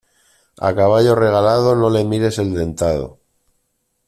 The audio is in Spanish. A caballo regalado no le mires el dentado.